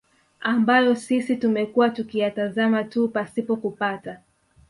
ambayo sisi tumekuwa tukiyatazama tu pasipo kupata